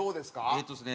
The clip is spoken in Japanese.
えっとですね